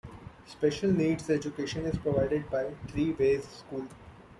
Special needs education is provided by Three Ways School.